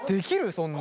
そんなん。